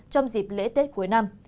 trong dịp lễ tết cuối năm